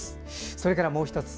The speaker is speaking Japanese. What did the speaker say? それからもう１つ。